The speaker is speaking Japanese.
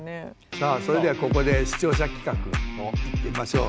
さあそれではここで視聴者企画いってみましょう。